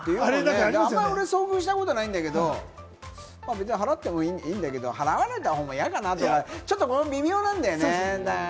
でもあまり俺、遭遇したことないんだけど、別に払ってもいいけど、払われた方も嫌かな？とか、ちょっと微妙なんだよね。